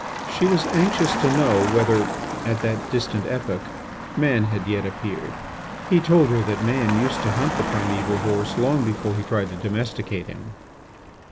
She was anxious to know whether, at that distant epoch, man had yet appeared. He told her that man used to hunt the primeval horse long before he tried to domesticate him.